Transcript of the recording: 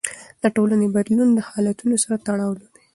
د ټولنې بدلون له حالتونو سره تړلی دی.